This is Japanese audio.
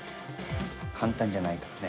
簡単じゃないからね。